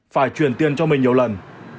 phải truyền tiền cho mình nhiều lần